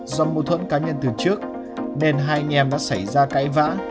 do mâu thuẫn cá nhân từ trước nên hai anh em đã xảy ra cãi vã